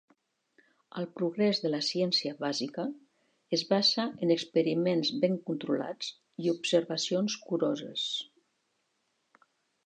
El progrés de la ciència bàsica es basa en experiments ben controlats i observacions curoses.